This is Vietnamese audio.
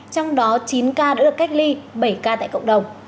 trong đó chín ca đã được cách ly bảy ca tại cộng đồng